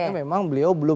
tapi memang beliau belum